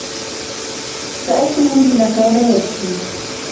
سَأَلَتهُ لما كان يبكي.